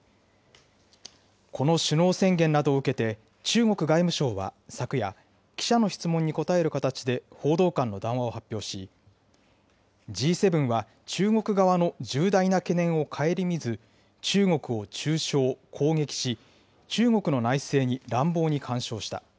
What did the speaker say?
この首脳宣言などを受けて、中国外務省は昨夜、記者の質問に答える形で報道官の談話を発表し、Ｇ７は中国側の重大な懸念をかえりみず、中国を中傷、攻撃し、中国の内政に乱暴に干渉した。